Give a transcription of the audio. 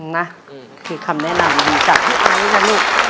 นะคือคำแนะนำจากพี่ฟนจ๊ะ